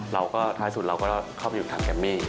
เราก็ท้ายสุดเราก็เข้าไปอยู่ทางแกมมี่